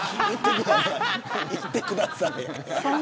行ってください。